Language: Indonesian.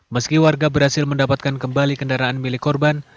meski warga berhasil mendapatkan kembali kendaraan milik korban